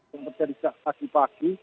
yang terjadi pagi pagi